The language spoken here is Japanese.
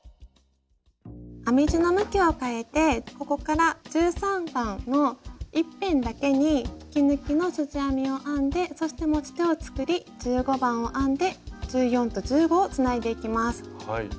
編み地の向きを変えてここから１３番の１辺だけに引き抜きのすじ編みを編んでそして持ち手を作り１５番を編んで１４と１５をつないでいきます。